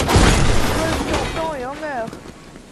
Sois-y en temps et en heure !